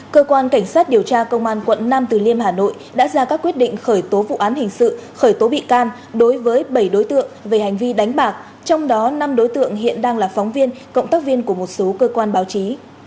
cơ quan cảnh sát điều tra công an quận nam từ liêm hà nội đã ra các quyết định khởi tố vụ án hình sự khởi tố bị can đối với bảy đối tượng về hành vi đánh bạc trong đó năm đối tượng hiện đang là phóng viên cộng tác viên của một số cơ quan báo chí